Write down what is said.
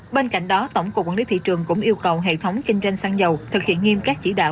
bên cạnh đó tổng cục quản lý thị trường cũng yêu cầu hệ thống kinh doanh xăng dầu thực hiện nghiêm các chỉ đạo